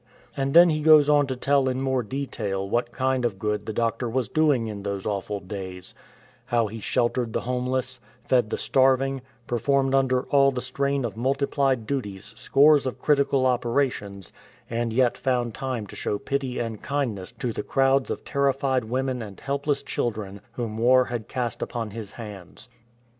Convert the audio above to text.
*" And then he goes on to tell in more detail what kind of good the doctor wis doing in those awful days : how he sheltered the homeless, fed the starving, per formed under all the strain of multiplied duties scores of critical operations, and yet found time to show pity and kindness to the crowds of terrified women and helpless children whom war had cast upon his hands.